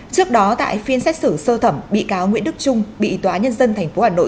trước đó tại phiên xét xử sơ thẩm bị cáo nguyễn đức trung bị tòa nhân dân tp hà nội